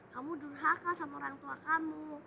kamu durhaka sama orang tua kamu